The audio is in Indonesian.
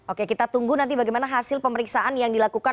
oke kita tunggu nanti bagaimana hasil pemeriksaan yang dilakukan